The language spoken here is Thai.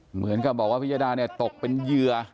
เหมือนกับบอกว่าพิยดาตกเป็นเยือ